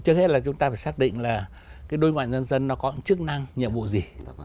trước hết là chúng ta phải xác định là cái đối ngoại nhân dân nó có chức năng nhiệm vụ gì